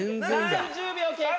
「４０秒経過」